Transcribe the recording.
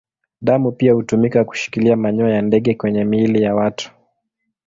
Damu pia hutumika kushikilia manyoya ya ndege kwenye miili ya watu.